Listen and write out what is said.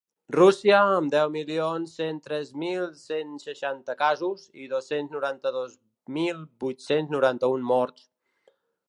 Rússia, amb deu milions cent tres mil cent seixanta casos i dos-cents noranta-dos mil vuit-cents noranta-un morts.